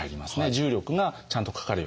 重力がちゃんとかかるようになる。